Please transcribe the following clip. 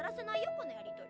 このやりとり。